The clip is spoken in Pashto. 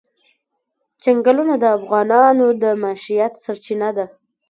چنګلونه د افغانانو د معیشت سرچینه ده.